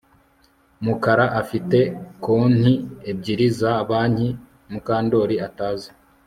Mukara afite konti ebyiri za banki Mukandoli atazi